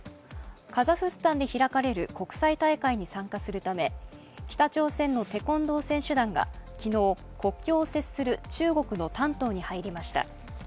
カザフスタンで開かれる国際大会に参加するため北朝鮮のテコンドー選手団が昨日、国境を接する中国の丹東に入りました。